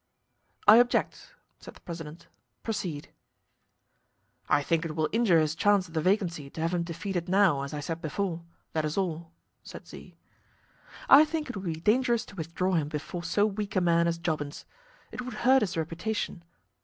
"I object," said the president. "Proceed." "I think it will injure his chance at the vacancy to have him defeated now, as I said before. That is all," said Z. "I think it would be dangerous to withdraw him before so weak a man as Jobbins. It would hurt his reputation.